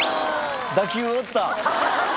打球を追った！